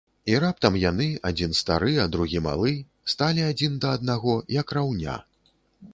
І раптам яны, адзін стары, а другі малы, сталі адзін да аднаго, як раўня.